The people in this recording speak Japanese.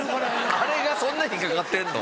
あれがそんな引っ掛かってんの？